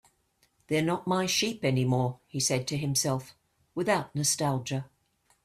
"They're not my sheep anymore," he said to himself, without nostalgia.